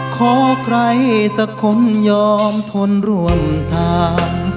ขอใครสักคนยอมทนร่วมทาง